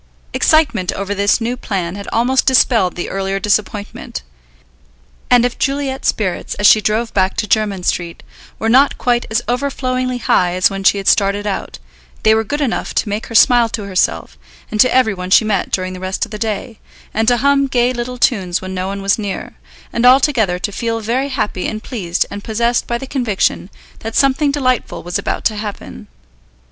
Excitement over this new plan had almost dispelled the earlier disappointment, and if Juliet's spirits, as she drove back to Jermyn Street, were not quite as overflowingly high as when she had started out, they were good enough to make her smile to herself and to every one she met during the rest of the day, and to hum gay little tunes when no one was near, and altogether to feel very happy and pleased and possessed by the conviction that something delightful was about to happen.